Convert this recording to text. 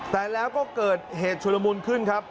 แต่แล้วก็เกิดเหตุชุลมุนขึ้นครับ